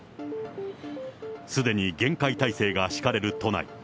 すでに厳戒態勢が敷かれる都内。